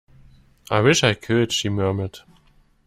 "I wish I could," she murmured.